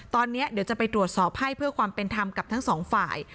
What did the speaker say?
ตอนนี้เดี๋ยวจะไปตรวจสอบให้เพื่อความเป็นธรรมกับทั้งสองฝ่าย